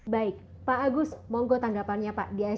baik pak agus mohon gue tanggapannya